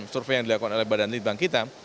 survei yang dilakukan oleh badan litbang kita